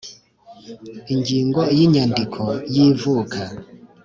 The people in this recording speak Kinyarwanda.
Ingingo y Inyandiko y ivuka